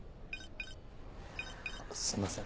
すいません。